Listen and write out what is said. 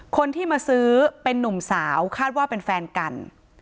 คนที่มาซื้อเป็นนุ่มสาวคาดว่าเป็นแฟนกัน